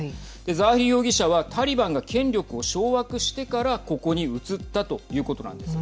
ザワヒリ容疑者はタリバンが権力を掌握してからここに移ったということなんです。